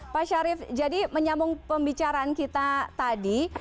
pak syarif jadi menyambung pembicaraan kita tadi